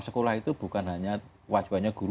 sekolah itu bukan hanya kewajibannya guru